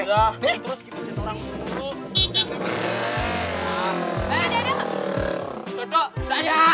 nih terus kebicaraan